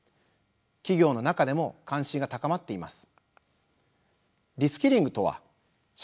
企業の中でも関心が高まっています。